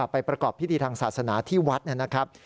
ประกอบพิธีทางศาสนาที่วัดนะครับ